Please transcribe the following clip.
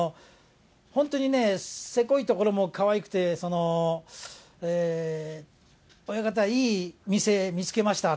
本当にね、せこいところもかわいくて、親方、いい店見つけました、